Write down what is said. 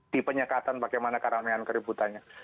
di penyekatan bagaimana keramaian keributannya